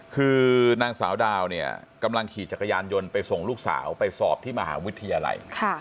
คือนางสาวดาวเนี่ยกำลังขี่จักรยานยนต์ไปส่งลูกสาวไปสอบที่มหาวิทยาลัย